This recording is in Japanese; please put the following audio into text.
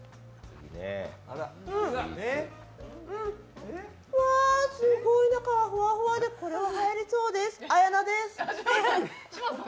うん、わ、すごい中がふわふわでこれははやりそうです、綾那です。